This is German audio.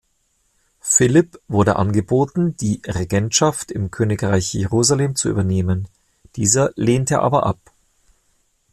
Philipp wurde angeboten, die Regentschaft im Königreich Jerusalem zu übernehmen, dieser lehnte aber ab.